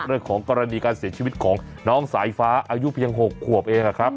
เรื่องของกรณีการเสียชีวิตของน้องสายฟ้าอายุเพียง๖ขวบเองนะครับ